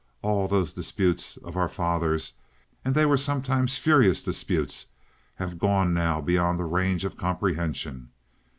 All those disputes of our fathers, and they were sometimes furious disputes, have gone now beyond the range of comprehension.